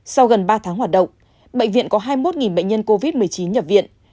sau gần ba tháng hoạt động bệnh viện có hai mươi một bệnh nhân covid một mươi chín nhập viện